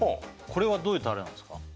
これはどういうタレなんですか？